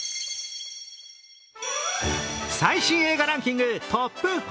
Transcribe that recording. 最新映画ランキングトップ５。